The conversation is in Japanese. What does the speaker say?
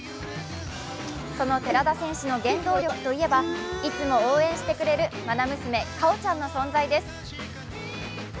その寺田選手の原動力といえば、いつも応援してくれるまな娘・果緒ちゃんの存在です。